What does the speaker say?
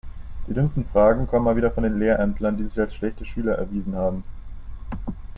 Die dümmsten Fragen kommen mal wieder von den Lehrämtlern, die sich als schlechte Schüler erwiesen haben.